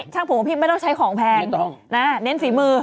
ช่างผมพี่ไม่ต้องใช้ของแพงเน้นฟิมือ